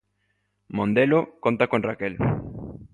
Mondelo conta con Raquel.